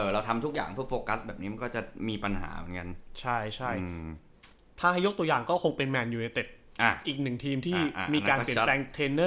เราทำทุกอย่างเพื่อโฟกัสแบบนี้มันก็จะมีปัญหาเหมือนกัน